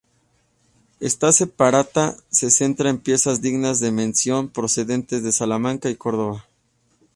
Esta separata se centra en piezas dignas de mención procedentes de Salamanca y Córdoba.